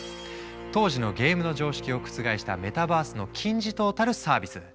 当時のゲームの常識を覆したメタバースの金字塔たるサービス。